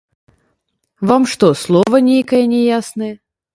Вам што, слова нейкае няяснае?